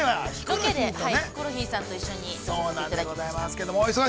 ロケでヒコロヒーさんと一緒に行かせていただきました。